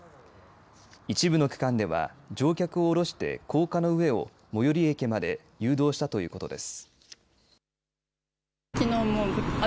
一部の区間では乗客を降ろして高架の上を最寄り駅まで誘導したということです。